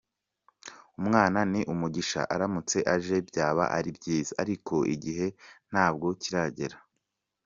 Umwana ni umugisha aramutse aje byaba ari byiza ariko igihe ntabwo kiragera.